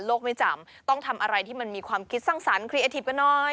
ไม่จำต้องทำอะไรที่มันมีความคิดสร้างสรรครีเอทีฟกันหน่อย